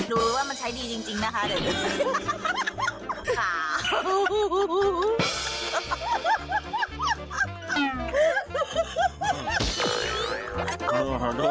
รู้ว่ามันใช้ดีจริงนะคะเดี๋ยวดูสิ